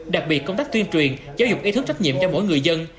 đặc biệt công tác tuyên truyền giáo dục ý thức trách nhiệm cho mỗi người dân